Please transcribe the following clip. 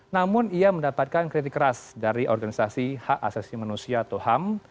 namun ia mendapatkan kritik keras dari organisasi hak asasi manusia atau ham